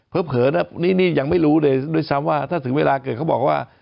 เผลอนะนี่ยังไม่รู้เลยด้วยซ้ำว่าถ้าถึงเวลาเกิดเขาบอกว่า